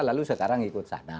lalu sekarang ikut sana